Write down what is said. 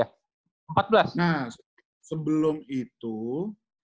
aku udah berusaha di ugm